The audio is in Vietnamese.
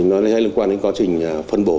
nó hay liên quan đến quá trình phân bổ